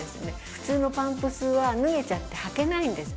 普通のパンプスは脱げちゃって履けないんです。